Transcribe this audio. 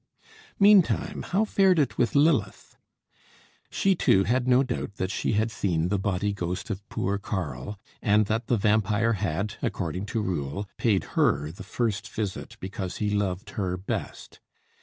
Meantime, how fared it with Lilith? She too had no doubt that she had seen the body ghost of poor Karl, and that the vampire had, according to rule, paid her the first visit because he loved her best.